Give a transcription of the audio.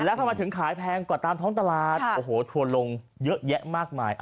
แล้วทำไมถึงขายแพงกว่าตามท้องตลาดโอ้โหทัวร์ลงเยอะแยะมากมาย